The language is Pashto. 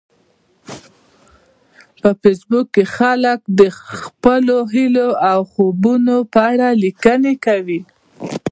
په فېسبوک کې خلک د خپلو هیلو او خوبونو په اړه لیکنې کوي